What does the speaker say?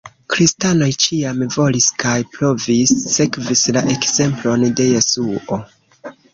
Kristanoj ĉiam volis kaj provis sekvis la ekzemplon de Jesuo.